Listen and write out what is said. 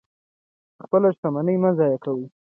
خپله شتمني مه ضایع کوئ.